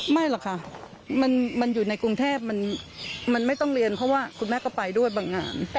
ไม่หรอกค่ะมันอยู่ในกรุงเทพมันไม่ต้องเรียนเพราะว่าคุณแม่ก็ไปด้วยบางงาน